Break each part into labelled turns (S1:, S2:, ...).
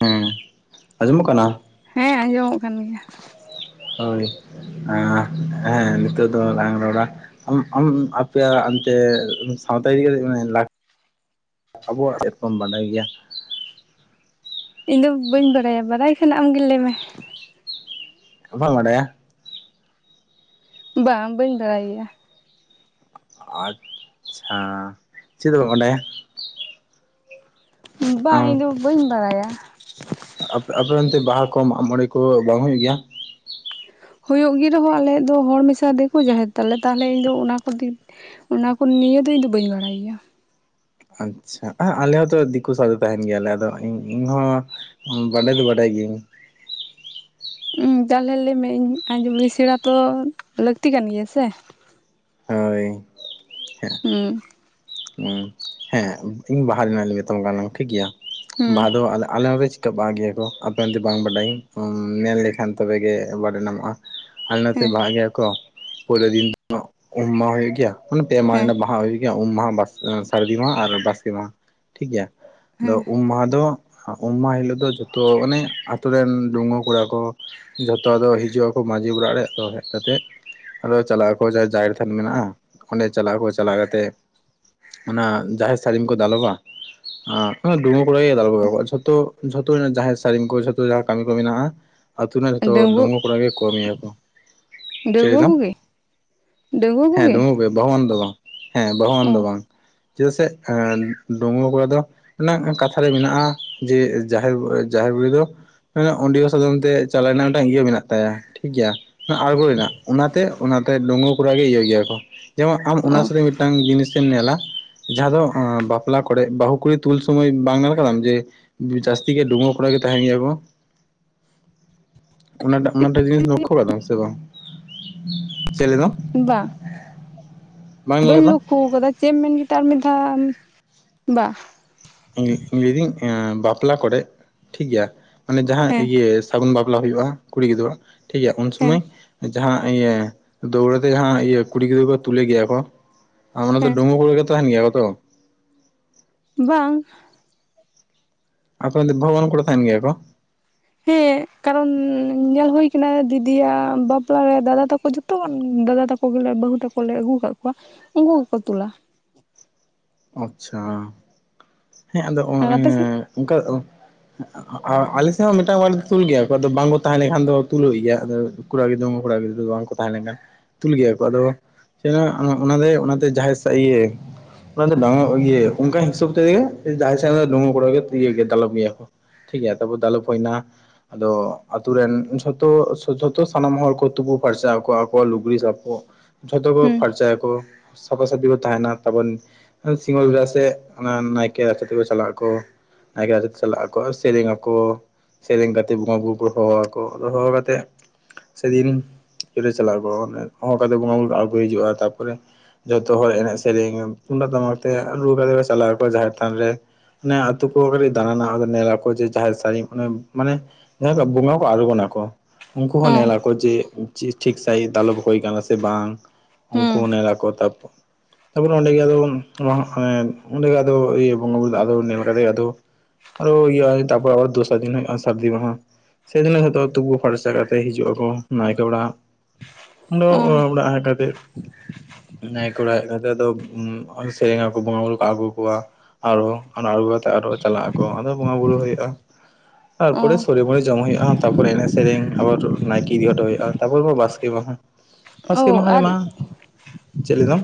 S1: ᱦᱮᱸ ᱟᱸᱡᱚᱢᱚᱜ ᱠᱟᱱᱟ
S2: ᱦᱮᱸ ᱟᱸᱡᱚᱢᱚᱜ ᱠᱟᱱ ᱜᱮᱭᱟ
S1: ᱦᱳᱭ ᱦᱮᱸ ᱱᱤᱛᱳᱜ ᱫᱚ ᱞᱟᱝ ᱨᱚᱲᱟ ᱟᱢ ᱟᱢ ᱟᱯᱮᱭᱟᱜ ᱚᱱᱛᱮ ᱥᱟᱶᱛᱟ ᱤᱫᱤ ᱠᱟᱛᱮ ᱢᱟᱱᱮ ᱟᱵᱚᱣᱟᱜ ᱪᱮᱫ ᱠᱚᱢ ᱵᱟᱰᱟᱭ ᱜᱮᱭᱟ
S2: ᱤᱧ ᱫᱚ ᱵᱟᱹᱧ ᱵᱟᱲᱟᱭᱟ ᱵᱟᱲᱟᱭ ᱠᱷᱟᱱ ᱟᱢᱜᱮ ᱞᱟᱹᱭᱢᱮ
S1: ᱵᱟᱢ ᱵᱟᱰᱟᱭᱟ
S2: ᱵᱟᱝ ᱵᱟᱹᱧ ᱵᱟᱲᱟᱭ ᱜᱮᱭᱟ
S1: ᱟᱪᱪᱷᱟ ᱪᱮᱫ ᱫᱚ ᱵᱟᱢ ᱵᱟᱰᱟᱭᱟ
S2: ᱵᱟᱝ
S1: ᱟᱢ
S2: ᱟᱹᱧᱫᱚ ᱵᱟᱹᱧ ᱵᱟᱲᱟᱭᱟ
S1: ᱟᱯᱮ ᱟᱯᱮ ᱚᱱᱛᱮ ᱵᱟᱦᱟ ᱠᱚ ᱢᱟᱜ ᱢᱚᱬᱮ ᱠᱚ ᱵᱟᱝ ᱦᱩᱭᱩᱜ ᱜᱮᱭᱟ
S2: ᱦᱩᱭᱩᱜ ᱜᱮ ᱨᱮᱦᱚᱸ ᱟᱞᱮᱭᱟᱜ ᱫᱚ ᱦᱚᱲ ᱢᱮᱥᱟ ᱫᱮᱠᱚ ᱡᱟᱦᱮᱨ ᱛᱟᱞᱮ ᱛᱟᱦᱚᱞᱮ ᱤᱧ ᱫᱚ ᱚᱱᱟ ᱠᱚ ᱫᱤᱠ ᱚᱱᱟ ᱠᱚ ᱱᱤᱭᱟᱹ ᱫᱚ ᱤᱧ ᱫᱚ ᱵᱟᱹᱧ ᱵᱟᱲᱟᱭ ᱜᱮᱭᱟ
S1: ᱟᱪᱪᱷᱟ ᱟᱞᱮ ᱦᱚᱸᱛᱚ ᱫᱤᱠᱩ ᱥᱟᱶᱛᱮ ᱛᱟᱦᱮᱱ ᱜᱮᱭᱟᱞᱮ ᱟᱫᱚ ᱤᱧ ᱦᱚᱸ ᱵᱟᱰᱟᱭ ᱫᱚ ᱵᱟᱰᱟᱭ ᱜᱤᱭᱟᱹᱧ
S2: ᱦᱩᱸ ᱛᱟᱦᱚᱞᱮ ᱞᱟᱹᱭᱢᱮ ᱤᱧ ᱟᱸᱡᱚᱢᱞᱤᱜᱤᱧ ᱥᱮᱬᱟ ᱛᱚ ᱞᱟᱹᱠᱛᱤ ᱠᱟᱱ ᱜᱮᱭᱟ ᱥᱮ
S1: ᱦᱳᱭ
S2: ᱦᱮᱸ
S1: ᱦᱮᱸ ᱤᱧ ᱵᱟᱦᱟ ᱨᱮᱱᱟᱜ ᱤᱧ ᱢᱮᱛᱟᱢ ᱠᱟᱱᱟ ᱴᱷᱤᱠ ᱜᱮᱭᱟ
S2: ᱦᱩᱸ
S1: ᱵᱟᱦᱟ ᱫᱚ ᱟᱞᱮ ᱱᱚᱰᱮ ᱵᱟᱦᱟ ᱜᱮᱭᱟ ᱠᱚ ᱟᱯᱮ ᱚᱱᱛᱮ ᱵᱟᱝ ᱵᱟᱰᱟᱭᱟᱧ ᱢᱮᱱ ᱞᱮᱠᱷᱟᱱ ᱛᱚᱵᱮᱜᱮ ᱵᱟᱰᱟᱭ ᱧᱟᱢᱚᱜᱼᱟ ᱟᱞᱮ ᱱᱚᱛᱮ
S2: ᱦᱮᱸ
S1: ᱵᱟᱦᱟᱜ ᱜᱮᱭᱟ ᱠᱚ ᱯᱳᱭᱞᱳ ᱫᱤᱱ ᱫᱚ ᱩᱢᱚᱜ ᱦᱩᱭᱩᱜ ᱜᱮᱭᱟ ᱢᱟᱱᱮ ᱯᱮ
S2: ᱦᱮᱸ
S1: ᱢᱟᱦᱟ ᱵᱟᱦᱟ ᱦᱩᱭᱩᱜ ᱜᱮᱭᱟ ᱩᱢ ᱢᱟᱦᱟ ᱥᱟᱹᱨᱫᱤ ᱢᱟᱦᱟ ᱟᱨ ᱵᱟᱥᱠᱮ ᱢᱟᱦᱟ ᱴᱷᱤᱠᱜᱮᱭᱟ ᱟᱫᱚ
S2: ᱦᱮᱸ
S1: ᱩᱢ ᱢᱟᱦᱟ ᱫᱚ ᱩᱢ ᱢᱟᱦᱟᱸ ᱦᱤᱞᱳᱜ ᱫᱚ ᱡᱚᱛᱚ ᱚᱱᱮ ᱟᱛᱳ ᱨᱮᱱ ᱰᱩᱝᱜᱩᱣᱟ ᱠᱚᱲᱟ ᱠᱚ ᱡᱷᱚᱛᱚ ᱟᱫᱚ ᱦᱤᱡᱩᱜ ᱟᱠᱚ ᱢᱟᱹᱡᱷᱤ ᱚᱲᱟᱜ ᱨᱮ ᱟᱫᱚ ᱦᱮᱡ ᱠᱟᱛᱮᱫ ᱟᱫᱚ ᱪᱟᱞᱟᱜ ᱟᱠᱚ ᱡᱟᱦᱟᱸᱭ ᱡᱟᱦᱮᱨ ᱛᱷᱟᱱ ᱢᱮᱱᱟᱜᱼᱟ ᱚᱸᱰᱮ ᱪᱟᱞᱟᱜ ᱟᱠᱚ ᱪᱟᱞᱟᱣ ᱠᱟᱛᱮᱫ ᱚᱱᱟ ᱡᱟᱦᱮᱨ ᱥᱟᱞᱤᱢ ᱠᱚ ᱫᱟᱞᱚᱵᱟ ᱰᱩᱜᱩᱣᱟ ᱠᱟᱲᱟ ᱜᱮ ᱫᱟᱞᱚᱵᱼᱟ ᱡᱚᱛᱚ ᱡᱷᱚᱛᱚ ᱨᱮᱱᱟᱜ ᱡᱟᱦᱮᱨ ᱥᱟᱹᱲᱤᱢ ᱠᱚ ᱡᱷᱚᱛᱚ ᱡᱟᱦᱟᱸ ᱠᱟᱹᱢᱤ ᱠᱚ ᱢᱮᱱᱟᱜᱼᱟ ᱟᱛᱳ ᱨᱮᱱ ᱡᱚᱛᱚ
S2: ᱰᱟᱹᱜᱩᱣᱟᱹ
S1: ᱰᱩᱸᱜᱩᱣᱟ ᱠᱚᱲᱟ ᱜᱮ ᱠᱚᱢᱤᱭᱟᱠᱚ ᱪᱟᱹᱭᱮᱫᱟᱢ
S2: ᱰᱟᱸᱜᱩᱣᱟ ᱠᱚ ᱜᱮ
S1: ᱵᱟᱹᱦᱩᱣᱟᱱ ᱫᱚ ᱵᱟᱝ ᱦᱮᱸ ᱵᱟᱹᱦᱩᱣᱟᱱ ᱫᱚ ᱵᱟᱝ ᱪᱮᱫᱟᱜ ᱥᱮ ᱰᱩᱸᱜᱩᱣᱟ ᱠᱚᱲᱟ ᱫᱚ ᱚᱱᱟ ᱠᱟᱛᱷᱟ ᱨᱮ ᱢᱮᱱᱟᱜᱼᱟ ᱡᱮ ᱡᱟᱦᱮᱨ ᱡᱟᱦᱮᱨ ᱨᱮ ᱫᱚ ᱚᱰᱤᱭᱳ ᱥᱟᱫᱚᱢ ᱛᱮ ᱪᱟᱞᱟᱜ ᱨᱮᱱᱟᱜ ᱢᱤᱫᱴᱟᱝ ᱤᱭᱟᱹ ᱢᱮᱱᱟᱜ ᱛᱟᱭᱟ ᱴᱷᱤᱠ ᱜᱮᱭᱟ᱾ ᱟᱬᱜᱚ ᱨᱮᱱᱟᱜ ᱚᱱᱟᱛᱮ ᱚᱱᱟᱛᱮ ᱰᱩᱝᱜᱩᱣᱟ ᱠᱚᱲᱟ ᱜᱮ ᱤᱭᱟᱹ ᱜᱮᱭᱟ ᱠᱚ ᱡᱮᱢᱚᱱ ᱟᱢ
S2: ᱚ
S1: ᱚᱱᱟᱥᱟᱨᱮ ᱢᱤᱫᱴᱟᱝ ᱡᱤᱱᱤᱥᱮᱢ ᱧᱮᱞᱟ ᱡᱟᱦᱟᱸ ᱫᱚ ᱵᱟᱯᱞᱟ ᱠᱚᱨᱮ ᱵᱟᱹᱦᱩ ᱠᱩᱲᱤ ᱛᱩᱞ ᱥᱩᱢᱚᱭ ᱵᱟᱝ ᱧᱮᱞ ᱟᱠᱟᱫᱟᱢ ᱡᱮ ᱡᱟᱹᱥᱛᱤ ᱜᱮ ᱰᱩᱜᱩᱣᱟ ᱠᱚᱲᱟ ᱜᱮ ᱛᱟᱦᱮᱱ ᱜᱮᱭᱟ ᱠᱚ ᱚᱱᱟᱴᱟᱜ ᱚᱱᱟᱴᱟ ᱡᱤᱱᱤᱥ ᱞᱚᱠᱷᱚ ᱟᱠᱟᱫᱟᱢ ᱥᱮ ᱵᱟᱝ ᱪᱮᱫ ᱞᱟᱹᱭᱫᱟᱢ
S2: ᱵᱟᱝ
S1: [unintelligible]
S2: ᱵᱟᱹᱧ ᱞᱚᱠᱠᱷᱚᱣ ᱟᱠᱟᱫᱟ ᱪᱮᱫ ᱮᱢ ᱢᱮᱱ ᱠᱮᱫᱟ ᱟᱨ ᱢᱤᱫᱫᱷᱟᱣ, ᱵᱟ
S1: ᱞᱟᱹᱭᱫᱟᱹᱧ ᱵᱟᱯᱞᱟ ᱠᱚᱨᱮᱜ ᱴᱷᱤᱠ ᱜᱮᱭᱟ ᱢᱟᱱᱮ ᱡᱟᱦᱟᱸ
S2: ᱦᱮᱸ
S1: ᱤᱭᱟᱹ ᱥᱟᱹᱜᱩᱱ ᱵᱟᱯᱞᱟ ᱦᱩᱭᱩᱜᱼᱟ, ᱠᱩᱲᱤ ᱜᱤᱫᱽᱨᱟᱹ ᱴᱷᱤᱠ ᱜᱮᱭᱟ ᱩᱱ
S2: ᱦᱮᱸ
S1: ᱥᱚᱢᱚᱭ ᱡᱟᱦᱟᱸ ᱤᱭᱟᱹ ᱫᱟᱹᱣᱲᱟᱹ ᱛᱮ ᱡᱟᱦᱟᱸ ᱤᱭᱟᱹ ᱠᱩᱲᱤ ᱜᱤᱫᱽᱨᱟᱹ ᱠᱚ ᱛᱩᱞᱮ ᱜᱮᱭᱟ ᱠᱚ, ᱚᱱᱟ ᱫᱚ
S2: ᱦᱮᱸ
S1: ᱰᱩᱜᱩᱣᱟ ᱠᱩᱲᱤ ᱜᱮᱠᱚ ᱛᱟᱦᱮᱱ ᱜᱮᱭᱟ ᱛᱚ?
S2: ᱵᱟᱝ
S1: ᱟᱫᱚ ᱵᱟᱦᱩᱣᱟᱱ ᱠᱚᱲᱟ ᱛᱟᱦᱮᱱ ᱜᱮᱭᱟ ᱠᱚ?
S2: ᱦᱮᱸ
S1: [inaudible]
S2: ᱠᱟᱨᱚᱱ ᱧᱮᱞ ᱦᱩᱭ ᱠᱟᱱᱟ ᱫᱤᱫᱤᱭᱟᱜ ᱵᱟᱯᱞᱟᱮ ᱫᱟᱫᱟ ᱛᱟᱠᱚ ᱡᱚᱛᱚ ᱠᱷᱚᱱ ᱫᱟᱫᱟ ᱛᱟᱠᱚ ᱜᱮ ᱵᱟᱹᱦᱩ ᱛᱟᱠᱚ ᱠᱚᱞᱮ ᱟᱹᱜᱩ ᱟᱠᱟᱫ ᱠᱚᱣᱟ ᱩᱱᱠᱩ ᱜᱮᱠᱚ ᱛᱚᱞᱟ
S1: ᱟᱪᱪᱷᱟ ᱦᱮᱸ ᱟᱫᱚ ᱚᱸ
S2: ᱟᱨ
S1: ᱮᱸ
S2: ᱟᱯᱮ ᱥᱮᱫ
S1: ᱚᱱᱠᱟ ᱟᱨ ᱟᱞᱮ ᱥᱮᱫ ᱦᱚᱸ ᱢᱤᱫᱴᱟᱝ ᱵᱟᱲᱮ ᱫᱚ ᱛᱩᱞ ᱜᱮᱭᱟ ᱠᱚ ᱟᱫᱚ ᱵᱟᱝᱠᱚ ᱛᱟᱦᱮᱸ ᱞᱮᱱᱠᱷᱟᱱ ᱫᱚ ᱛᱩᱞᱩᱜ ᱜᱮᱭᱟ ᱟᱫᱚ᱾ ᱠᱚᱲᱟ ᱜᱤᱫᱽᱨᱟᱹ ᱢᱟ ᱠᱚᱲᱟ ᱜᱤᱫᱨᱟᱹ ᱫᱚ ᱵᱟᱝ ᱠᱚ ᱛᱟᱦᱮᱸ ᱞᱮᱱᱠᱷᱟᱱ᱾ ᱛᱩᱞ ᱜᱮᱭᱟ ᱠᱚ ᱟᱫᱚ ᱡᱮᱱ ᱚᱱᱟ ᱚᱱᱟᱛᱮ ᱡᱟᱦᱟᱸᱭ ᱤᱭᱟᱹ ᱚᱱᱟ ᱫᱚ ᱵᱟᱝ ᱤᱭᱟᱹ ᱚᱝᱠᱟ ᱦᱤᱥᱟᱵ ᱛᱮᱜᱮ ᱡᱟᱦᱟᱭ ᱥᱟᱶ ᱜᱮ ᱰᱟᱺᱜᱩᱣᱟᱹ ᱠᱚᱲᱟ ᱤᱭᱟᱹ ᱫᱟᱞᱚᱵ ᱜᱮᱭᱟ ᱠᱚ᱾ ᱴᱷᱤᱠ ᱜᱮᱭᱟ ᱛᱟᱨᱯᱚᱨ ᱫᱟᱞᱚᱵ ᱦᱩᱭᱮᱱᱟ, ᱟᱫᱚ ᱟᱛᱳ ᱨᱮᱱ ᱡᱷᱚᱛᱚ ᱡᱷᱚᱛᱚ ᱥᱟᱱᱟᱢ ᱦᱚᱲ ᱠᱚ ᱛᱩᱯᱩ ᱯᱷᱟᱨᱪᱟ ᱟᱠᱚ ᱟᱠᱚᱣᱟᱜ ᱞᱩᱜᱽᱲᱤ ᱥᱟᱯᱚᱫ ᱡᱷᱚᱛᱚ ᱠᱚ
S2: ᱦᱩᱸ
S1: ᱯᱷᱟᱨᱪᱟᱭ ᱟᱠᱚ ᱥᱟᱯᱷᱟ ᱥᱟᱹᱯᱷᱤ ᱠᱚ ᱛᱟᱦᱮᱱᱟ, ᱛᱟᱵᱚᱱ ᱥᱤᱸᱜᱟᱹᱲ ᱵᱮᱲᱟ ᱥᱮᱫ ᱚᱱᱟ ᱱᱟᱭᱠᱮ ᱟᱜ ᱨᱟᱪᱟ ᱛᱮᱠᱚ ᱪᱟᱞᱟᱜ ᱟᱠᱚ, ᱱᱟᱭᱠᱮ ᱨᱟᱪᱟ ᱛᱮᱠᱟ ᱪᱟᱞᱟᱜ ᱟᱠᱚ ᱟᱨ ᱥᱮᱨᱮᱧ ᱟᱠᱚ᱾ ᱥᱮᱨᱮᱧ ᱠᱟᱛᱮᱫ ᱵᱚᱸᱜᱟ ᱵᱩᱨᱩ ᱠᱚ ᱦᱚᱦᱚ ᱟᱠᱚᱣᱟ ᱟᱫᱚ ᱦᱚᱦᱚ ᱠᱟᱛᱮ ᱥᱮᱫᱤᱱ ᱪᱟᱞᱟᱜ ᱠᱚᱼᱟ ᱦᱚᱦᱚ ᱠᱟᱛᱮᱫ ᱵᱚᱸᱜᱟ ᱵᱩᱨᱩ ᱟᱹᱜᱩ ᱦᱤᱡᱩᱜᱼᱟ, ᱛᱟᱨᱯᱚᱨᱮ ᱡᱷᱚᱛᱚ ᱦᱚᱲ ᱮᱱᱮᱡ ᱥᱮᱨᱮᱧ ᱛᱩᱢᱫᱟᱜ ᱴᱟᱢᱟᱠ ᱛᱮ ᱨᱩ ᱠᱟᱛᱮ ᱠᱚ ᱪᱟᱞᱟᱜ ᱟᱠᱚ ᱡᱟᱦᱮᱨ ᱛᱷᱟᱱ ᱨᱮ᱾ ᱚᱱᱮ ᱟᱹᱛᱩ ᱠᱚ ᱠᱟᱹᱴᱤᱡ ᱫᱟᱬᱟᱱᱟ ᱧᱮᱞᱟᱠᱚ ᱡᱮ ᱡᱟᱦᱟᱸᱨ ᱥᱟᱹᱲᱤᱢ ᱚᱱᱮ ᱢᱟᱱᱮ ᱡᱟᱦᱟᱸ ᱵᱚᱸᱜᱟ ᱠᱚ ᱟᱬᱜᱚᱱᱟ ᱠᱚ ᱩᱱᱠᱩ ᱦᱚᱸ
S2: ᱚ
S1: ᱧᱮᱞᱟᱠᱚ ᱡᱮ ᱴᱷᱤᱠ ᱴᱷᱤᱠ ᱥᱟᱭᱤᱡ ᱫᱟᱞᱚᱵ ᱦᱩᱭ ᱠᱟᱱᱟ ᱥᱮ ᱵᱟᱝ, ᱩᱱᱠᱩ
S2: ᱦᱩᱸ
S1: ᱦᱚᱸ ᱱᱮᱞ ᱟᱠᱚ ᱛᱟᱯᱚᱨ ᱛᱟᱨᱯᱚᱨᱮ ᱚᱸᱰᱮᱜ ᱟᱫᱚ ᱱᱚᱣᱟ ᱮᱸ ᱚᱸᱰᱮ ᱟᱫᱚ ᱤᱛᱟᱹ ᱵᱚᱸᱜᱟᱼ ᱵᱩᱨᱩ ᱱᱮᱦᱚᱨ ᱟᱫᱚ ᱟᱨᱚ ᱤᱭᱟᱹ ᱛᱟᱯᱚᱨ ᱫᱚᱥᱟᱨ ᱫᱤᱱ ᱥᱟᱨᱫᱤ ᱢᱟᱦᱟ᱾ ᱥᱮ ᱫᱤᱱ ᱦᱤᱞᱚᱜ ᱛᱩᱯᱩ ᱯᱷᱟᱨᱪᱟ ᱠᱟᱛᱮᱫ ᱦᱤᱡᱩᱜ ᱟᱠᱚ ᱱᱟᱭᱠᱮ ᱚᱲᱟᱜ᱾ ᱟᱫᱚ
S2: ᱚ
S1: ᱚᱲᱟᱜ ᱦᱮᱡ ᱠᱟᱛᱮ ᱱᱟᱭᱠᱮ ᱚᱲᱟᱜ ᱦᱮᱡ ᱠᱟᱛᱮ ᱟᱫᱚ ᱥᱮᱨᱮᱧᱟ ᱠᱚ ᱵᱚᱸᱜᱟᱼ ᱵᱩᱨᱩ ᱠᱚ ᱟᱹᱜᱩ ᱠᱚᱣᱟ᱾ ᱟᱨᱦᱚ ᱚᱱᱟ ᱟᱬᱜᱩ ᱠᱟᱛᱮᱜ ᱟᱨᱦᱚ ᱪᱟᱞᱟᱜ ᱟᱠᱚ ᱟᱫᱚ ᱵᱚᱸᱜᱟ ᱵᱩᱨᱩ ᱦᱩᱭᱩᱜᱼᱟ᱾
S2: ᱚ
S1: ᱛᱟᱨᱯᱚᱨᱮ ᱥᱚᱲᱮ ᱢᱚᱲᱮ ᱡᱚᱢ ᱦᱩᱭᱩᱜ ᱦᱩᱭᱩᱜᱼᱟ ᱛᱟᱨᱯᱚᱨ ᱮᱱᱮᱡ ᱥᱮᱨᱮᱧ ᱟᱨ ᱱᱟᱭᱠᱮ ᱤᱫᱤ ᱦᱚᱴᱚ ᱦᱩᱭᱩᱜᱼᱟ᱾ ᱛᱟᱯᱚᱨ ᱵᱟᱥᱠᱮ ᱢᱟᱦᱟ,
S2: ᱚ
S1: ᱵᱟᱥᱠᱮ ᱢᱟᱦᱟ
S2: ᱟᱨ
S1: ᱨᱮᱢᱟ, ᱪᱮᱫ ᱞᱮᱠᱟ?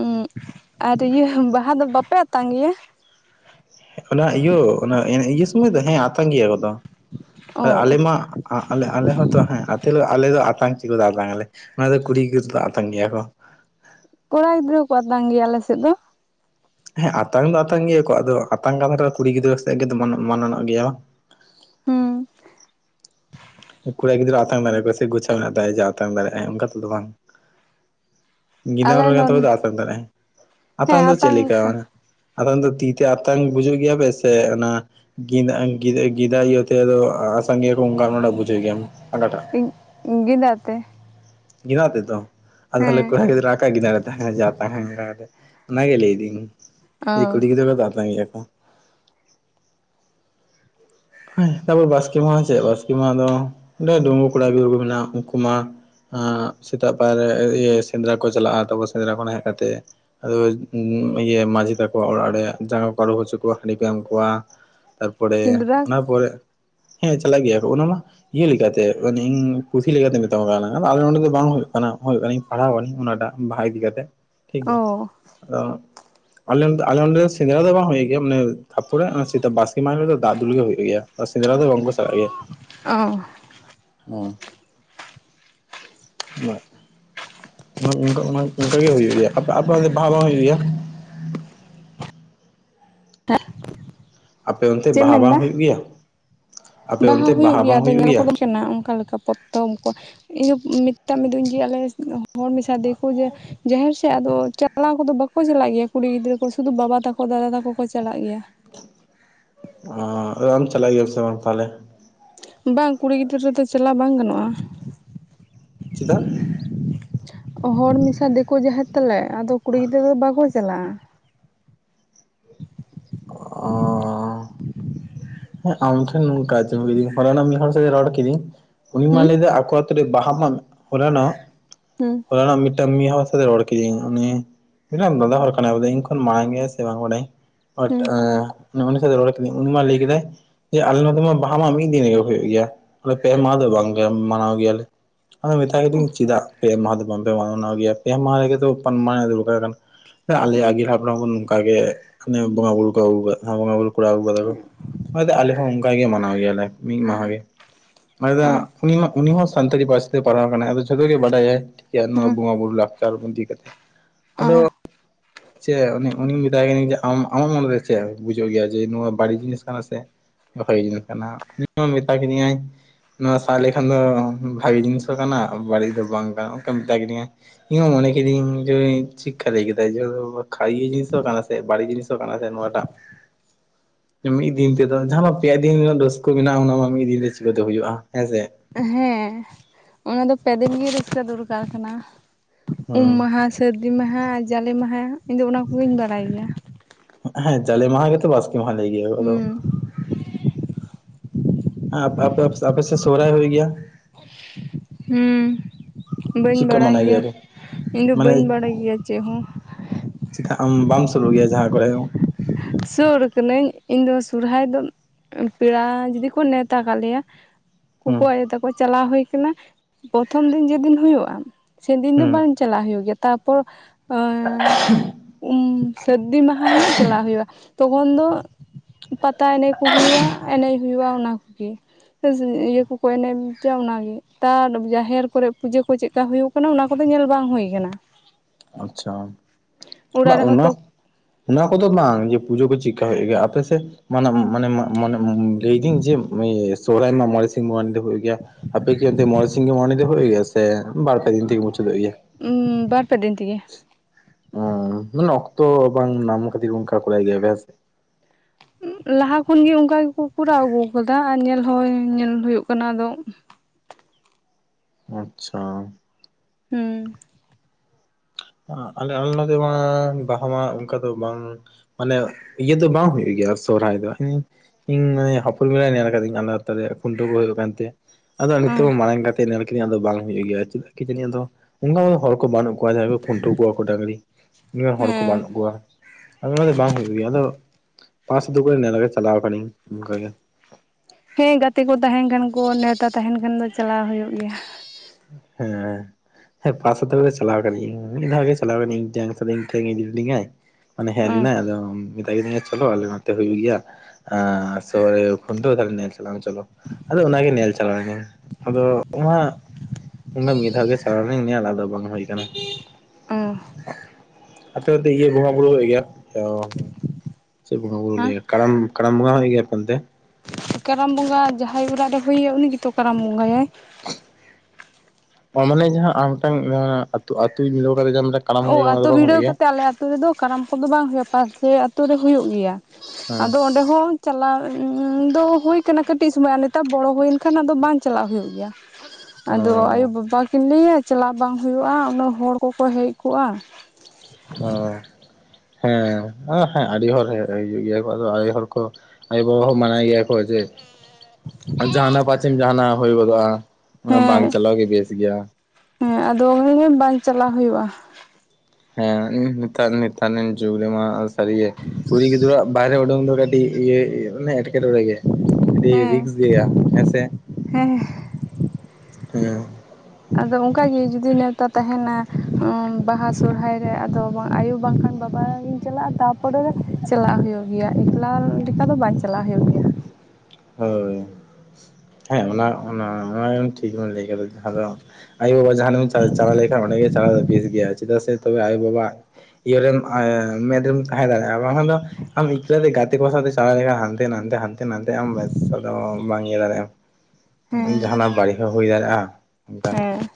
S2: ᱩᱸᱜ ᱟᱨ ᱤᱭᱟᱹ ᱵᱟᱦᱟ ᱫᱚ ᱵᱟᱯᱮ ᱟᱛᱟᱝ ᱜᱮᱭᱟ?
S1: ᱚᱱᱟ ᱤᱭᱟᱹ ᱚᱱᱟ ᱤᱭᱟᱹ ᱥᱚᱢᱚᱭ ᱫᱚ ᱦᱮᱸ ᱟᱛᱟᱝ ᱜᱮᱭᱟ ᱠᱚᱛᱚ,
S2: ᱚ
S1: ᱟᱞᱮ ᱢᱟ ᱟᱞᱮ ᱟᱞᱮ ᱦᱚᱸᱛᱚ ᱦᱮᱸ ᱟᱞᱮ ᱫᱚ ᱟᱛᱟᱝ ᱪᱮᱫᱟᱜ ᱟᱛᱟᱝ ᱟᱞᱮ ᱚᱱᱟ ᱫᱚ ᱠᱩᱲᱤ ᱜᱤᱫᱽᱨᱟᱹ ᱫᱚ ᱟᱛᱟᱝ ᱜᱮᱭᱟ ᱠᱚ᱾
S2: ᱠᱚᱲᱟ ᱜᱤᱫᱽᱨᱟᱹ ᱠᱚ ᱟᱛᱟᱝ ᱜᱮᱭᱟ ᱟᱞᱮᱥᱮᱫ ᱫᱚ᱾
S1: ᱦᱮᱸ ᱟᱛᱟᱝ ᱫᱚ ᱟᱛᱟᱝ ᱜᱮᱭᱟᱠᱚ ᱟᱫᱚ ᱟᱛᱟᱝ ᱠᱟᱱ ᱠᱩᱲᱤ ᱜᱤᱫᱽᱨᱟᱹ ᱜᱮ ᱢᱟᱱᱚᱱᱚᱜ ᱜᱮᱭᱟ
S2: [unintelligible]
S1: ᱠᱚᱲᱟ ᱜᱤᱫᱽᱨᱟᱹ ᱟᱛᱟᱝ ᱫᱟᱲᱮ ᱠᱚᱣᱟ ᱥᱮ ᱜᱟᱪᱷᱟᱣ ᱢᱮᱱᱟᱜ ᱛᱟᱭᱟ ᱡᱮ ᱟᱛᱟᱝ ᱫᱟᱲᱮᱭᱟᱜ ᱟᱭ ᱚᱱᱠᱟ ᱛᱮᱫ ᱵᱟᱝ ᱜᱮᱫᱟᱜ
S2: ᱟᱞᱮ
S1: ᱦᱚᱨᱚᱜᱟᱭ
S2: ᱱᱚ
S1: ᱛᱚᱵᱮ ᱫᱚ ᱟᱛᱟᱝ ᱫᱟᱨᱟᱭᱼᱟ ᱟᱛᱟᱝ ᱫᱚ ᱪᱮᱫᱞᱮᱠᱟ ᱟᱛᱟᱝ ᱫᱚ ᱛᱤ ᱛᱮ ᱟᱛᱟᱝ ᱵᱩᱡᱩᱜ ᱜᱮᱭᱟ ᱯᱮ ᱥᱮ ᱚᱱᱟ ᱜᱮᱫᱟᱜ ᱜᱤᱫᱟᱜ ᱜᱤᱫᱟ ᱤᱭᱟᱹ ᱛᱮ ᱟᱫᱚ ᱥᱟᱜᱮ ᱜᱮᱭᱟ ᱠᱚ ᱵᱩᱡᱷᱟᱹᱣ ᱜᱮᱭᱟᱢ ᱦᱟᱸᱱᱟ ᱴᱟᱜ
S2: ᱜᱤ ᱜᱮᱸᱫᱟᱜ ᱛᱮ?
S1: ᱜᱮᱫᱟᱜ ᱛᱮᱫᱚ ᱟᱫᱚ ᱛᱟᱦᱞᱮ
S2: ᱦᱮᱸ
S1: ᱠᱚᱲᱟ ᱜᱤᱫᱽᱨᱟᱹ ᱚᱠᱟ ᱨᱮ ᱜᱮᱫᱟᱜ ᱛᱟᱦᱮᱸᱱᱟ ᱡᱟ ᱛᱟᱦᱮᱸ ᱚᱱᱠᱟ ᱠᱟᱛᱮ, ᱚᱱᱟᱜᱮ ᱞᱟᱹᱭᱫᱤᱧ
S2: ᱚ
S1: ᱡᱮ ᱠᱩᱲᱤ ᱜᱤᱫᱽᱨᱟᱹ ᱠᱚᱫᱚ ᱟᱛᱟᱝ ᱜᱮᱭᱟ ᱠᱚ᱾ ᱦᱮᱸ ᱛᱟᱨᱯᱚᱨ ᱵᱟᱥᱠᱮ ᱢᱟᱦᱟ ᱪᱮᱫ ᱵᱟᱥᱠᱮ ᱢᱟᱦᱟ ᱫᱚ ᱡᱮ ᱰᱩᱸᱜᱩᱣᱟ ᱠᱚᱲᱟ ᱜᱤᱫᱽᱨᱟᱹ ᱠᱚ ᱢᱮᱱᱟᱜ ᱩᱱᱠᱩ ᱢᱟ ᱥᱮᱛᱟᱜ ᱯᱟᱭᱟᱨ ᱨᱮ ᱤᱭᱟᱹ ᱥᱮᱸᱫᱽᱨᱟ ᱠᱚ ᱪᱟᱞᱟᱜᱼᱟ ᱛᱟᱯᱚᱨ ᱥᱮᱸᱫᱽᱨᱟ ᱠᱷᱚᱱ ᱦᱮᱡ ᱠᱟᱛᱮᱜ, ᱟᱫᱚ ᱤᱭᱟᱹ ᱢᱟᱹᱡᱷᱤ ᱛᱟᱠᱚᱣᱟ ᱚᱲᱟᱜ ᱨᱮ ᱡᱟᱸᱜᱟ ᱠᱚ ᱟᱹᱨᱩᱵ ᱦᱚᱪᱚ ᱠᱚᱣᱟ ᱦᱟᱺᱰᱤ ᱠᱚ ᱮᱢ ᱠᱚᱣᱟ᱾ ᱛᱟᱨ ᱯᱚᱨᱮ
S2: ᱥᱤᱸᱫᱽᱨᱟᱹ
S1: ᱚᱱᱟ ᱯᱚᱨᱮ, ᱦᱮᱸ ᱪᱟᱞᱟᱜ ᱜᱮᱭᱟ ᱠᱚ ᱚᱱᱟ ᱢᱟ ᱤᱭᱟᱹ ᱞᱮᱠᱟ ᱛᱮ ᱢᱟᱱᱮ ᱤᱧ ᱠᱩᱥᱤ ᱞᱮᱠᱟ ᱛᱮ ᱢᱮᱛᱟᱢ ᱠᱟᱱᱟ ᱟᱞᱮ ᱱᱚᱸᱰᱮ ᱫᱚ ᱵᱟᱝ ᱦᱩᱭᱩᱜ ᱠᱟᱱᱟ ᱯᱟᱲᱦᱟᱣ ᱟᱹᱧ ᱚᱱᱟ ᱴᱟᱜ ᱵᱟᱜᱤ ᱤᱫᱤ ᱠᱟᱛᱮᱜ ᱴᱷᱤᱠ
S2: ᱚ
S1: ᱜᱮᱭᱟ ᱟᱫᱚ ᱟᱞᱮ ᱟᱞᱮ ᱚᱱᱰᱮ ᱥᱮᱸᱫᱽᱨᱟ ᱫᱚ ᱵᱟᱝ ᱦᱩᱭ ᱜᱮᱭᱟ ᱢᱟᱱᱮ ᱛᱟᱯᱚᱨᱮ ᱵᱟᱥᱠᱤ ᱢᱟᱦᱟ ᱦᱤᱞᱚᱜ ᱫᱟᱜ ᱫᱩᱞ ᱫᱩᱞ ᱜᱮ ᱦᱩᱭᱩᱜ ᱜᱮᱭᱟ ᱟᱨ ᱥᱮᱸᱫᱽᱨᱟ ᱫᱚ ᱵᱟᱝ ᱠᱚ ᱪᱟᱞᱟᱜ ᱜᱮᱭᱟ
S2: ᱚ
S1: ᱚᱸ [unintelligible] ᱚᱱᱠᱟ ᱚᱱᱠᱟᱜ ᱜᱮ ᱦᱩᱭᱩᱜ ᱜᱮᱭᱟ ᱟᱯ ᱟᱯᱮ ᱫᱚ ᱵᱟᱦᱟ ᱵᱟᱝ ᱦᱩᱭᱩᱜ ᱜᱮᱭᱟ
S2: [unintelligible]
S1: ᱟᱯᱮ ᱚᱱᱛᱮ
S2: ᱪᱮᱫ ᱮᱢ
S1: ᱵᱟᱦᱟ ᱵᱟᱝ
S2: ᱢᱮᱱᱫᱟ
S1: ᱦᱩᱭᱩᱜ ᱜᱮᱭᱟ
S2: ᱵᱟᱦᱟ ᱦᱩᱭᱩᱜ ᱜᱮᱭᱟ ᱟᱫᱚ ᱧᱮᱞ ᱠᱚᱵᱚᱱ ᱠᱟᱱᱟ ᱚᱱᱠᱟ ᱞᱮᱠᱟ ᱯᱚᱛᱚᱢ ᱠᱚ ᱤᱧ ᱦᱚᱸ ᱢᱮᱛᱟᱜ ᱢᱮᱫᱚᱹᱧ ᱡᱮ ᱟᱞᱮ ᱦᱚᱲ ᱢᱮᱥᱟ ᱫᱮᱠᱚ ᱡᱮ ᱡᱟᱦᱮᱨ ᱥᱮ ᱟᱫᱚ ᱪᱟᱞᱟᱣ ᱠᱚᱫᱚ ᱵᱟᱠᱚ ᱪᱟᱞᱟᱜ ᱜᱮᱭᱟ ᱠᱩᱲᱤ ᱜᱤᱫᱽᱨᱟᱹ ᱠᱚ ᱥᱩᱫᱩ ᱵᱟᱵᱟ ᱛᱟᱠᱚ ᱫᱟᱫᱟ ᱛᱟᱠᱚ ᱠᱚ ᱪᱟᱞᱟᱜ ᱜᱮᱭᱟ
S1: ᱚᱸ ᱟᱫᱚ ᱟᱢ ᱪᱟᱞᱟᱜ ᱜᱮᱭᱟᱢ ᱥᱮ ᱵᱟᱝ ᱛᱟᱦᱚᱞᱮ
S2: ᱵᱟᱝ ᱠᱩᱲᱤ ᱜᱤᱫᱽᱨᱟᱹ ᱨᱮᱫᱚ ᱪᱟᱞᱟᱣ ᱵᱟᱝ ᱜᱟᱱᱚᱜᱼᱟ
S1: ᱪᱮᱫᱟᱜ
S2: ᱦᱚᱲ ᱢᱮᱥᱟ ᱫᱤᱠᱩ ᱡᱟᱦᱮᱨ ᱛᱟᱞᱮ ᱟᱫᱚ ᱠᱩᱲᱤ ᱜᱤᱫᱽᱨᱟᱹ ᱫᱚ ᱵᱟᱠᱚ ᱪᱟᱞᱟᱜᱼᱟ
S1: ᱚᱸᱻ ᱦᱮᱸ ᱟᱢ ᱴᱷᱮᱱ ᱱᱚᱝᱠᱟ ᱡᱮ ᱵᱩᱡᱫᱤᱧ ᱯᱚᱨᱮ ᱱᱟᱜ ᱢᱤᱫ ᱦᱚᱲ ᱥᱟᱜ ᱨᱚᱲ ᱠᱤᱫᱤᱧ ᱩᱱᱤ ᱢᱟ
S2: ᱦᱩᱸ
S1: ᱞᱟᱹᱭ ᱮᱫᱟ ᱟᱠᱚ ᱟᱛᱳ ᱨᱮ ᱵᱟᱦᱟ ᱢᱟ ᱦᱚᱞᱟ ᱱᱚᱜ
S2: ᱦᱩᱸ
S1: ᱦᱚᱞᱟ ᱱᱚᱜ ᱢᱤᱫ ᱴᱟᱝ ᱢᱤᱜ ᱦᱚᱲ ᱥᱟᱛᱮ ᱨᱚᱲ ᱠᱤᱫᱤᱧ ᱚᱱᱤ ᱫᱟᱫᱟ ᱦᱚᱲ ᱠᱟᱱᱟᱭ ᱤᱧ ᱠᱷᱚᱱ ᱢᱟᱲᱟᱝ ᱜᱮᱭᱟᱭ ᱥᱮ ᱵᱟᱝ ᱵᱟᱰᱟᱭᱤᱧ ᱵᱟᱴ
S2: ᱦᱩᱸ
S1: ᱚᱱᱤ ᱚᱱᱤ ᱥᱟᱛᱮ ᱨᱚᱲ ᱠᱮᱫᱤᱧ ᱚᱱᱤ ᱢᱟ ᱞᱟᱹᱭ ᱠᱮᱫᱟᱭ ᱡᱮ ᱟᱞᱮ ᱱᱚᱛᱮ ᱢᱟ ᱵᱟᱦᱟ ᱢᱟ ᱢᱤᱫ ᱫᱤᱱ ᱨᱮᱜᱮ ᱦᱩᱭᱩᱜ ᱜᱮᱭᱟ ᱯᱮ ᱢᱟᱦᱟ ᱫᱚ ᱵᱟᱝ ᱜᱮ ᱢᱟᱱᱟᱣ ᱜᱮᱭᱟᱞᱮ ᱟᱫᱚ ᱢᱮᱛᱟᱭ ᱠᱟᱱᱟᱹᱧ ᱪᱮᱫᱟᱜ ᱯᱮ ᱢᱟᱦᱟ ᱵᱟᱝ ᱯᱮ ᱢᱟᱱᱟᱣ ᱜᱮᱭᱟ ᱯᱮ ᱢᱟᱦᱟ ᱨᱮᱜᱮ ᱛᱚ ᱢᱟᱱᱟᱣ ᱫᱚᱨᱠᱟᱨ ᱠᱟᱱᱟ ᱟᱞᱮᱭᱟᱜ ᱟᱹᱜᱤᱞ ᱦᱟᱯᱲᱟᱢ ᱠᱚ ᱱᱚᱝᱠᱟ ᱜᱮ ᱢᱟᱱᱮ ᱵᱚᱸᱜᱟ ᱵᱩᱨᱩ ᱠᱚ ᱟᱹᱜᱩ ᱠᱟᱫᱟ ᱵᱚᱸᱜᱟ ᱵᱩᱨᱩ ᱠᱚᱨᱟᱣ ᱟᱹᱜᱩ ᱠᱟᱫᱟ ᱠᱚ ᱟᱞᱮ ᱦᱚᱸ ᱚᱱᱠᱟ ᱜᱮ ᱢᱟᱱᱟᱣ ᱜᱮᱭᱟ ᱞᱮ ᱢᱤᱫ ᱢᱟᱦᱟ ᱜᱮ ᱵᱟᱭᱫᱟ
S2: ᱦᱩᱸ
S1: ᱩᱱᱤ ᱢᱟ ᱩᱱᱤ ᱦᱚᱸ ᱥᱟᱱᱛᱟᱲᱤ ᱯᱟᱹᱨᱥᱤ ᱛᱮᱭ ᱯᱟᱲᱟᱣ ᱟᱠᱟᱱᱟᱭ ᱟᱫᱚ ᱡᱷᱚᱛᱚ ᱜᱮ ᱵᱟᱰᱟᱭᱟᱭ
S2: ᱚ
S1: ᱱᱚᱣᱟ ᱵᱚᱸᱜᱟ ᱵᱩᱨᱩ ᱞᱟᱠᱪᱟᱨ ᱠᱚ ᱤᱫᱤ ᱠᱟᱛᱮ ᱟᱫᱚ
S2: ᱦᱩᱸ
S1: ᱪᱮᱫ ᱩᱱᱤ ᱩᱱᱤ ᱢᱮᱛᱟᱭ ᱠᱟᱹᱱᱟᱹᱧ ᱡᱮ ᱟᱢ ᱟᱢᱟᱜ ᱢᱚᱱᱮ ᱨᱮ ᱪᱮᱫ ᱵᱩᱡᱷᱟᱹᱶ ᱜᱮᱭᱟ ᱡᱮ ᱱᱚᱣᱟ ᱵᱟᱹᱲᱤᱡ ᱡᱤᱱᱤᱥ ᱠᱟᱱᱟ ᱥᱮ ᱵᱷᱟᱜᱮ ᱡᱤᱱᱤᱥ ᱠᱟᱱᱟ ᱚᱱᱤ ᱢᱟ ᱢᱮᱛᱟ ᱠᱮᱫᱤᱧᱟᱭ ᱱᱚᱣᱟ ᱥᱟᱜ ᱞᱮᱠᱷᱟᱱ ᱫᱚ ᱵᱷᱟᱜᱤ ᱡᱤᱱᱤᱥ ᱦᱚᱸ ᱠᱟᱱᱟ ᱵᱟᱹᱲᱤᱡ ᱫᱚ ᱵᱟᱝ ᱠᱟᱱᱟ ᱚᱱᱠᱟ ᱢᱮᱛᱟ ᱠᱮᱫᱤᱧᱟᱭ ᱤᱧ ᱦᱚᱸ ᱢᱚᱱᱮ ᱠᱤᱫᱤᱧ ᱡᱮ ᱪᱮᱫᱠᱟ ᱞᱟᱹᱭ ᱠᱮᱫᱟ ᱡᱮ ᱠᱷᱟᱭᱤ ᱡᱤᱱᱤᱥ ᱠᱟᱱᱟ ᱥᱮ ᱵᱟᱲᱤᱡ ᱡᱤᱱᱤᱥ ᱦᱚᱸ ᱠᱟᱱᱟ ᱥᱮ ᱱᱚᱣᱟ ᱴᱟᱜ ᱢᱤᱫ ᱫᱤᱱ ᱛᱮᱫᱚ ᱡᱟᱦᱟᱸ ᱯᱮ ᱫᱤᱱ ᱨᱮᱱᱟᱜ ᱨᱟᱹᱥᱠᱟᱹ ᱢᱮᱱᱟᱜᱼᱟ ᱚᱱᱟ ᱢᱟ ᱢᱤᱫ ᱫᱤᱱ ᱛᱮ ᱪᱤᱠᱟᱹ ᱛᱮ ᱦᱩᱭᱩᱜᱼᱟ ᱦᱮᱸ ᱥᱮ
S2: ᱦᱮᱸ ᱚᱱᱟ ᱫᱚ ᱯᱮ ᱫᱤᱱ ᱜᱮ ᱨᱟᱹᱥᱠᱟᱹ ᱫᱚᱨᱠᱟᱨ ᱠᱟᱱᱟ ᱩᱢ
S1: ᱦᱩᱸ
S2: ᱢᱟᱦᱟ ᱥᱟᱹᱨᱫᱤ ᱢᱟᱦᱟ ᱟᱨ ᱡᱟᱞᱮ ᱢᱟᱦᱟ ᱤᱧᱫᱚ ᱚᱱᱟ ᱠᱚᱜᱮᱧ ᱵᱟᱲᱟᱭ ᱜᱮᱭᱟ
S1: ᱦᱮᱸ ᱡᱟᱞᱮ ᱢᱟᱦᱟ ᱜᱮᱛᱚ ᱵᱟᱥᱠᱮ ᱢᱟᱦᱟ ᱞᱟᱹᱭ ᱜᱮᱭᱟ ᱟᱫᱚ
S2: ᱦᱩᱸ
S1: ᱟᱯᱮ ᱟᱯᱮ ᱥᱮᱫ ᱥᱚᱦᱨᱟᱭ ᱦᱩᱭ ᱜᱮᱭᱟ
S2: ᱦᱩᱸ ᱵᱟᱹᱧ
S1: ᱪᱮᱫᱠᱟ
S2: ᱵᱟᱲᱟᱭ
S1: ᱢᱟᱱᱟᱭ
S2: ᱜᱮᱭᱟ
S1: ᱯᱮ
S2: ᱤᱧ ᱫᱚ ᱵᱟᱹᱧ ᱵᱟᱲᱟᱭ ᱜᱮᱭᱟ ᱪᱮᱫ ᱦᱚᱸ
S1: ᱪᱤᱫᱟᱜ ᱟᱢ ᱵᱟᱢ ᱥᱩᱨᱩᱜ ᱜᱮᱭᱟ ᱡᱟᱦᱟᱸ ᱠᱚᱨᱮ ᱦᱚᱸ
S2: ᱥᱩᱨ ᱠᱟᱹᱱᱟᱹᱧ ᱤᱧᱫᱚ ᱥᱚᱦᱨᱟᱭ ᱫᱚ ᱯᱮᱲᱟ ᱡᱩᱫᱤ ᱠᱚ ᱱᱮᱶᱛᱟ ᱟᱠᱟᱫ ᱞᱮᱭᱟ ᱩᱱᱠᱩ
S1: ᱦᱩᱸ
S2: ᱟᱭᱳ ᱛᱟᱠᱚ ᱪᱟᱞᱟᱣ ᱦᱩᱭ ᱠᱟᱱᱟ ᱯᱨᱚᱛᱷᱚᱢ ᱫᱤᱱ ᱡᱮᱫᱤᱱ ᱦᱩᱭᱩᱜᱼᱟ ᱥᱮᱸ ᱫᱤᱱ ᱫᱚ
S1: ᱦᱩᱸ
S2: ᱵᱟᱝ ᱪᱟᱞᱟᱜ ᱦᱩᱭᱩᱜ ᱜᱮᱭᱟ ᱛᱟᱯᱚᱨ ᱮᱸ ᱩᱸ ᱥᱟᱹᱨᱫᱤ ᱢᱟᱦᱟ ᱦᱤᱞᱟᱹᱜ ᱪᱟᱞᱟᱜ ᱦᱩᱭᱩᱜᱼᱟ ᱛᱚᱠᱷᱚᱱ ᱫᱚ ᱯᱟᱛᱟ ᱮᱱᱮᱡ ᱠᱚ ᱦᱩᱭᱩᱜᱼᱟ ᱮᱱᱮᱡ ᱦᱩᱭᱩᱜᱼᱟ ᱚᱱᱟ ᱠᱚᱜᱮ ᱤᱭᱟᱹ ᱠᱚᱠᱚ ᱮᱱᱮᱡᱟ ᱚᱱᱟ ᱜᱮ ᱛᱟᱰ ᱡᱟᱦᱮᱨ ᱠᱚᱨᱮᱜ ᱯᱩᱡᱟᱹ ᱠᱚ ᱪᱮᱫᱠᱟ ᱦᱩᱭᱩᱜ ᱠᱟᱱᱟ ᱚᱱᱟ ᱠᱚᱫᱚ ᱧᱮᱞ ᱵᱟᱝ ᱦᱩᱭ ᱠᱟᱱᱟ᱾
S1: ᱟᱪᱪᱷᱟ ᱵᱟ
S2: ᱚᱲᱟᱜ ᱨᱮᱦᱚᱸ
S1: ᱚᱱᱟ
S2: ᱛᱚ
S1: ᱚᱱᱟ ᱠᱚᱫᱚ ᱵᱟᱝ ᱡᱮ ᱯᱩᱡᱟᱹ ᱠᱚ ᱪᱮᱫᱠᱟ ᱦᱩᱭᱩᱜ ᱜᱮᱭᱟ ᱟᱯᱮ ᱥᱮᱫ ᱢᱟᱱᱮ ᱩᱢ ᱢᱟᱱᱮ ᱢᱟ ᱢᱚᱱᱮ ᱞᱟᱹᱭᱫᱟᱹᱧ ᱡᱮ ᱥᱚᱦᱨᱟᱭ ᱢᱟ ᱢᱚᱬᱮ ᱥᱤᱝ ᱢᱚᱬᱮ ᱧᱤᱫᱟᱹ ᱦᱩᱭᱩᱜ ᱜᱮᱭᱟ᱾ ᱟᱯᱮ ᱠᱤ ᱚᱱᱛᱮ ᱢᱚᱬᱮ ᱥᱤᱧ ᱜᱮ ᱢᱚᱬᱮ ᱧᱤᱫᱟᱹ ᱦᱩᱭᱩᱜ ᱜᱮᱭᱟ ᱥᱮ ᱵᱟᱨ ᱯᱮ ᱫᱤᱱ ᱛᱮᱜᱮ ᱢᱩᱪᱟᱹᱫᱚᱜ ᱜᱮᱭᱟ᱾
S2: ᱩᱢ ᱵᱟᱨ ᱯᱮ ᱫᱤᱱ ᱛᱮᱜᱮ᱾
S1: ᱚ ᱢᱟᱱᱮ ᱚᱠᱛᱚ ᱵᱟᱝ ᱱᱟᱢ ᱠᱷᱟᱹᱛᱤᱨ ᱚᱱᱠᱟ ᱠᱚᱨᱟᱣ ᱜᱮᱭᱟ ᱵᱮᱥ᱾
S2: ᱞᱟᱦᱟ ᱠᱷᱚᱱᱜᱮ ᱚᱱᱠᱟ ᱜᱮᱠᱚ ᱠᱚᱨᱟᱣ ᱟᱹᱜᱩ ᱠᱟᱫᱟ ᱟᱨ ᱧᱮᱞ ᱦᱚᱸ ᱧᱮᱞ ᱦᱩᱭᱩᱜ ᱠᱟᱱᱟ ᱟᱫᱚ᱾
S1: ᱟᱪᱪᱷᱟ᱾
S2: ᱦᱩᱸ᱾
S1: ᱟᱸ ᱟᱞᱮ ᱟᱞᱮ ᱱᱚᱰᱮ ᱢᱟᱱᱮ ᱵᱟᱦᱟ ᱢᱟ ᱚᱱᱠᱟ ᱫᱚ ᱵᱟᱝ ᱢᱟᱱᱮ ᱤᱭᱟᱹ ᱫᱚ ᱵᱟᱝ ᱦᱩᱭᱩᱜ ᱜᱮᱭᱟ ᱥᱚᱦᱨᱟᱭ ᱫᱚ, ᱦᱩᱸ᱾ ᱦᱩᱸ ᱮ [unintelligible] ᱧᱮᱞ ᱟᱠᱟᱫᱤᱧ ᱟᱞᱮ ᱟᱛᱳ ᱨᱮ ᱠᱷᱩᱱᱴᱟᱹᱣ ᱠᱚ ᱦᱩᱭᱩᱜ ᱠᱟᱱ ᱛᱮ᱾ ᱟᱫᱚ
S2: ᱚ
S1: ᱱᱤᱛᱚᱜ ᱢᱟᱲᱟᱝ ᱠᱟᱛᱮ ᱱᱮᱞᱠᱤᱫᱟᱹᱧ ᱟᱫᱚ ᱵᱟᱝ ᱦᱩᱭᱩᱜ ᱜᱮᱭᱟ ᱪᱮᱫ ᱠᱤ ᱡᱟᱹᱱᱤ ᱟᱫᱚ ᱚᱱᱠᱟ ᱦᱚᱲ ᱠᱚ ᱵᱟᱹᱱᱩᱜ ᱠᱚᱣᱟ᱾ ᱡᱟᱦᱟᱸᱭ ᱠᱚ ᱠᱷᱩᱱᱴᱟᱹᱣ ᱠᱚᱣᱟ ᱠᱚ ᱰᱟᱝᱨᱤ, ᱩᱱᱟᱹᱜ ᱦᱚᱲ ᱠᱚ
S2: ᱦᱮᱸ
S1: ᱵᱟᱹᱱᱩᱜ ᱠᱚᱣᱟ᱾ ᱟᱞᱮ ᱱᱚᱰᱮ ᱫᱚ ᱵᱟᱝ ᱦᱩᱭᱩᱜ ᱜᱮᱭᱟ ᱟᱫᱚ ᱯᱟᱸᱥ ᱟᱛᱩ [unintelligible] ᱪᱟᱞᱟᱣ ᱟᱠᱟᱱᱟᱧ ᱚᱱᱠᱟ ᱜᱮ᱾
S2: ᱦᱮᱸ ᱜᱟᱛᱮ ᱠᱚ ᱛᱟᱦᱮᱱ ᱠᱷᱟᱱ ᱠᱚ ᱱᱮᱣᱛᱟ ᱛᱟᱦᱮᱱ ᱠᱷᱟᱱ ᱫᱚ ᱪᱟᱞᱟᱣ ᱦᱩᱭᱩᱜ ᱜᱮᱭᱟ᱾
S1: ᱦᱮᱸ᱾ ᱦᱮ ᱯᱟᱥ ᱟᱛᱳ ᱠᱚᱫᱚ ᱪᱟᱞᱟᱣ ᱠᱟᱹᱧ ᱜᱮᱭᱟᱹᱧ ᱢᱤᱫ ᱫᱷᱟᱣ ᱜᱮ ᱪᱟᱞᱟᱣ ᱠᱟᱱᱟᱹᱧ ᱤᱧ [unintelligible] ᱢᱟᱱᱮ ᱦᱮᱡ
S2: ᱚ
S1: ᱞᱮᱱᱟᱭ ᱟᱫᱚ ᱢᱮᱛᱟᱭ ᱠᱟᱹᱫᱤᱧᱟ ᱪᱚᱞᱚ ᱟᱞᱮ ᱱᱚᱛᱮ ᱦᱩᱭᱩᱜ ᱜᱮᱭᱟ᱾ ᱟ ᱥᱮ ᱠᱷᱩᱱᱴᱟᱹᱣ [unintelligible] ᱧᱮᱞ ᱪᱟᱞᱟᱣ ᱟᱞᱟᱝ ᱪᱚᱞᱚ᱾ ᱟᱫᱚ ᱚᱱᱟ ᱜᱮ ᱧᱮᱞ ᱪᱟᱞᱟᱣ ᱦᱮᱸ ᱟᱫᱚ ᱚᱱᱟ ᱚᱱᱟ ᱢᱤᱫ ᱫᱷᱟᱣ ᱜᱮ ᱪᱟᱞᱟᱣ ᱞᱮᱱᱟᱹᱧ ᱧᱮᱞ ᱟᱫᱚ ᱵᱟᱝ ᱦᱩᱭ ᱠᱟᱱᱟ᱾
S2: ᱚ
S1: ᱟᱯᱮ ᱚᱱᱛᱮ ᱤᱭᱟᱹ ᱵᱚᱸᱜᱟ ᱵᱩᱨᱩ ᱦᱩᱭᱩᱜ ᱜᱮᱭᱟ? ᱮᱸ ᱪᱮᱫ ᱵᱚᱸᱜᱟ ᱵᱩᱨᱩ
S2: ᱦᱮᱸ
S1: ᱞᱟᱹᱭᱟ ᱠᱟᱨᱟᱢ ᱠᱟᱨᱟᱢ ᱵᱚᱸᱜᱟ ᱦᱩᱭᱩᱜ ᱜᱮᱭᱟ ᱟᱯᱮ ᱚᱱᱛᱮ?
S2: ᱠᱟᱨᱟᱢ ᱵᱚᱸᱜᱟ ᱡᱟᱦᱟᱸᱭ ᱚᱨᱟᱜ ᱨᱮ ᱦᱩᱭᱩᱭᱼᱟ ᱩᱱᱤ ᱜᱮᱛᱚ ᱠᱟᱨᱟᱢ ᱵᱚᱸᱜᱟ ᱭᱟᱭ᱾
S1: ᱟ ᱢᱟᱱᱮ ᱡᱟᱦᱟᱸ ᱟᱨ ᱢᱤᱫᱴᱟᱝ ᱚᱱᱟ ᱮᱱᱟᱜ ᱟᱛᱳ ᱟᱛᱩ [unintelligible]
S2: ᱚ ᱟᱛᱳ ᱵᱷᱤᱲᱟᱹᱣ ᱠᱟᱛᱮ ᱟᱞᱮ ᱟᱛᱳ ᱨᱮᱫᱚ ᱠᱟᱨᱟᱢ ᱠᱚᱫᱚ ᱵᱟᱝ ᱦᱩᱭᱩᱜ-ᱟ ᱯᱟᱥᱮ ᱟᱛᱳ ᱨᱮ ᱦᱳᱭᱳᱜ ᱜᱮᱭᱟ,
S1: ᱦᱮᱸ
S2: ᱟᱫᱚ ᱚᱰᱮ ᱦᱚᱸ ᱪᱟᱞᱟᱣ ᱟᱸ ᱫᱚ ᱦᱩᱭ ᱠᱟᱱᱟ ᱠᱟᱹᱴᱤᱡ ᱥᱚᱢᱚᱭ ᱟᱨ ᱱᱮᱛᱟᱨ ᱵᱚᱲᱚ ᱦᱩᱭᱮᱱ ᱠᱷᱟᱱ ᱟᱫᱚ ᱵᱟᱝ ᱪᱟᱞᱟᱜ ᱦᱩᱭᱩᱜ ᱜᱮᱭᱟ᱾
S1: ᱚ
S2: ᱟᱫᱚ ᱟᱭᱳᱼᱵᱟᱵᱟ ᱠᱤᱱ ᱞᱟᱹᱭᱟ ᱪᱟᱞᱟᱜ ᱵᱟᱝ ᱦᱩᱭᱩᱜ-ᱟ ᱩᱱᱟᱹᱜ ᱦᱚᱲ ᱠᱚᱠᱚ ᱦᱮᱡ ᱠᱚᱜ-ᱟ᱾
S1: ᱚ᱾ ᱦᱮᱸ ᱟ ᱦᱮᱸ ᱟᱹᱰᱤ ᱦᱚᱲ ᱦᱤᱡᱩᱜ ᱜᱮᱭᱟ ᱠᱚ ᱟᱫᱚ ᱟᱭᱳ ᱦᱚᱲ ᱠᱚ ᱟᱭᱳᱼᱵᱟᱵᱟ ᱦᱚᱸ ᱢᱟᱱᱟ ᱜᱮᱭᱟ᱾ ᱦᱳᱭ ᱡᱮ ᱡᱟᱦᱟᱱᱟᱜ ᱯᱟᱪᱷᱮ ᱡᱟᱦᱟᱱᱟᱜ ᱦᱩᱭ ᱜᱚᱫᱚᱜᱼᱟ᱾ ᱚᱱᱟ ᱵᱟᱝ
S2: ᱦᱮᱸ
S1: ᱪᱟᱞᱟᱣ ᱜᱮ ᱵᱮᱥ ᱜᱮᱭᱟ᱾
S2: ᱦᱮᱸ ᱟᱫᱚ [unintelligible] ᱵᱟᱝ ᱪᱟᱞᱟᱣ ᱦᱩᱭᱩᱜᱼᱟ
S1: ᱦᱮᱸ ᱤᱱ ᱱᱮᱛᱟᱨ ᱱᱮᱛᱟᱨ ᱨᱮᱱ ᱡᱩᱜᱽ ᱨᱮᱢᱟ ᱥᱟᱹᱨᱤ ᱜᱮ ᱠᱩᱲᱤ ᱜᱤᱫᱽᱨᱟᱹᱣᱟᱜ ᱵᱟᱭᱨᱮ ᱩᱰᱩᱝ ᱫᱚ ᱠᱟᱹᱴᱤᱡ ᱤᱭᱟᱹ ᱚᱱᱮ ᱮᱴᱠᱮᱴᱚᱬᱮ ᱜᱮᱭᱟ᱾ ᱟᱹᱰᱤ
S2: ᱦᱮᱸ
S1: ᱨᱤᱠᱥ ᱜᱮᱭᱟ ᱦᱮᱸ ᱥᱮ?
S2: ᱦᱮᱸ
S1: ᱦᱮᱸ᱾
S2: ᱟᱫᱚ ᱚᱱᱠᱟ ᱜᱮ ᱡᱩᱫᱤ ᱱᱮᱣᱛᱟ ᱛᱟᱦᱮᱱᱟ ᱚᱸᱝ ᱵᱟᱦᱟ ᱥᱚᱦᱨᱟᱭ ᱨᱮ ᱟᱫᱚ ᱵᱟ ᱟᱭᱳ ᱵᱟᱝᱠᱷᱟᱱ ᱵᱟᱵᱟ᱾ ᱤᱧ ᱪᱟᱞᱟᱜ-ᱟ ᱛᱟᱯᱚᱨᱮ ᱜᱮ ᱪᱟᱞᱟᱜ ᱦᱩᱭᱩᱜ ᱜᱮᱭᱟ, ᱮᱠᱞᱟ ᱞᱮᱠᱟ ᱫᱚ ᱵᱟᱝ ᱪᱟᱞᱟᱜ ᱦᱩᱭᱩᱜ ᱜᱮᱭᱟ᱾
S1: ᱦᱳᱭ ᱦᱮᱸ ᱚᱱᱟᱻ ᱚᱱᱟ ᱚᱱᱟᱜᱮ ᱴᱷᱤᱠᱮᱢ ᱞᱟᱹᱭ ᱟᱭᱳ ᱵᱟᱵᱟ ᱡᱟᱦᱟᱸᱱᱟᱢ ᱪᱟᱞᱟᱣ ᱞᱮᱠᱷᱟᱱ ᱚᱰᱮᱜᱮ ᱪᱟᱞᱟᱣ ᱵᱮᱥ ᱜᱮᱭᱟ ᱪᱮᱫᱟᱜ ᱥᱮ ᱛᱚᱵᱮ ᱟᱭᱳ-ᱵᱟᱵᱟ ᱟᱜ ᱤᱭᱟᱹᱨᱮᱢ ᱢᱮᱫ ᱨᱮᱢ ᱛᱟᱦᱮᱸ ᱫᱟᱲᱮᱭᱟᱜ-ᱟ᱾ ᱵᱟᱝᱠᱷᱟᱱ ᱫᱚ ᱟᱢ ᱮᱠᱪᱚᱭᱞᱤ ᱜᱟᱛᱮ ᱠᱚᱲᱟ ᱥᱟᱶᱛᱮ ᱪᱟᱞᱟᱣ ᱞᱮᱠᱷᱟᱱ ᱦᱟᱱᱛᱮ ᱱᱟᱱᱛᱮ ᱦᱟᱱᱛᱮ ᱱᱟᱱ ᱛᱮ ᱟᱢ ᱵᱟᱥ ᱟᱫᱚ ᱵᱟᱝ ᱤᱭᱟᱹ ᱫᱟᱲᱮᱭᱟᱜ ᱟᱢ
S2: ᱦᱮᱸ
S1: ᱡᱟᱦᱟᱱᱟᱜ ᱵᱟᱹᱲᱤᱡ ᱦᱚᱸ ᱦᱩᱭ ᱫᱟᱲᱮᱭᱟᱜᱼᱟ᱾ ᱚᱱᱠᱟᱱ
S2: ᱦᱮᱸ᱾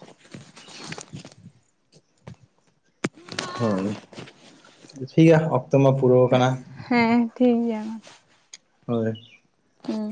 S1: ᱦᱳᱭ ᱴᱷᱤᱠ ᱜᱮᱭᱟ ᱚᱠᱛᱚ ᱢᱟ ᱯᱩᱨᱟᱹᱣ ᱠᱟᱱᱟ᱾
S2: ᱮᱸ ᱴᱷᱤᱠ ᱜᱮᱭᱟ ᱢᱟ᱾
S1: ᱦᱳᱭ᱾
S2: ᱦᱮᱸ